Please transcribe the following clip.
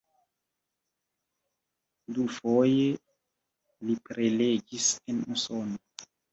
Dufoje li prelegis en Usono.